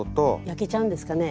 焼けちゃうんですかね？